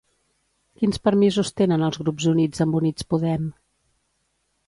Quins permisos tenen els grups units amb Units Podem?